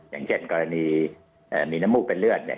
อย่างเช่นกรณีมีน้ำมูกเป็นเลือดเนี่ย